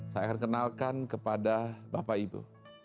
saya akan kenalkan kepada bapak ibu